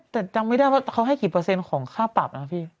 แต่จำไม่ได้ว่าเขาให้กี่เปอร์เซ็นต์ของค่าปรับนะพี่